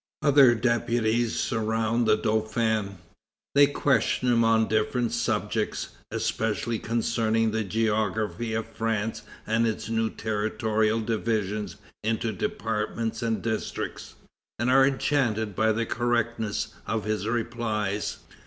Other deputies surround the Dauphin. They question him on different subjects, especially concerning the geography of France and its new territorial division into departments and districts, and are enchanted by the correctness of his replies.